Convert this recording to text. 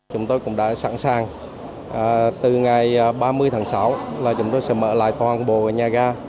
chúng tôi cũng đã sẵn sàng từ ngày ba mươi tháng sáu là chúng tôi sẽ mở lại toàn bộ nhà ga